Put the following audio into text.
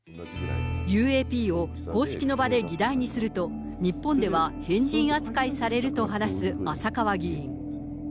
ＵＡＰを公式の場で議題にすると、日本では変人扱いされると話す浅川議員。